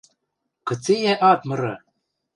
Кыце йӓ ат мыры!